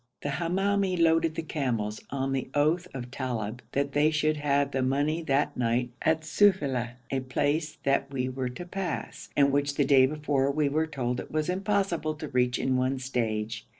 The Hamoumi loaded the camels, on the oath of Talib that they should have the money that night at Sufeila, a place that we were to pass, and which the day before we were told it was impossible to reach in one stage.